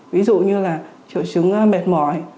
ví dụ như là triệu chứng mệt mỏi